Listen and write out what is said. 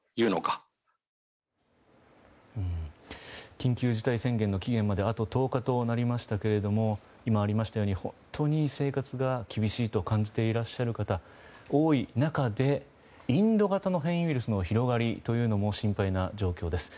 緊急事態宣言の期限まであと１０日となりましたが今ありましたように本当に生活が厳しいと感じていらっしゃる方が多い中で、インド型の変異ウイルスの広がりも心配な状況です。